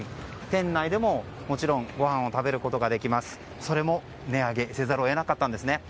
店内でももちろんご飯を食べることができますがそれも値上げせざるを得なかったんですね。